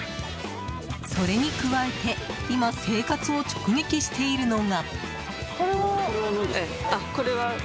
それに加えて今、生活を直撃しているのが。